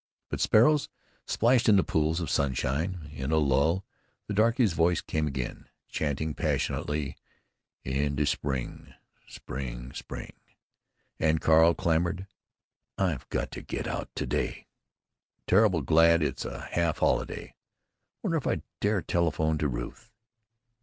But sparrows splashed in the pools of sunshine; in a lull the darky's voice came again, chanting passionately, "In de spring, spring, spring!" and Carl clamored: "I've got to get out to day. Terrible glad it's a half holiday. Wonder if I dare telephone to Ruth?"